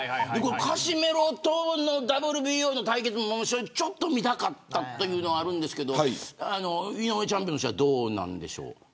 カシメロとのＷＢＯの対決もちょっと見たかったというのはあるんですが井上チャンピオンとしてはどうなんでしょう。